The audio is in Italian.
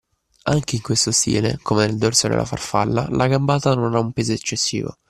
Anche in questo stile, come nel dorso e nella farfalla, la gambata non ha un peso eccessivo